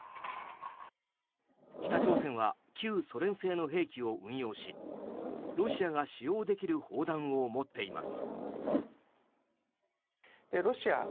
北朝鮮は旧ソ連製の兵器を運用しロシアが使用できる砲弾を持っています。